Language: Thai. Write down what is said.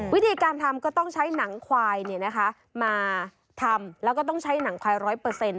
วิธีการทำก็ต้องใช้หนังควายมาทำแล้วก็ต้องใช้หนังควาย๑๐๐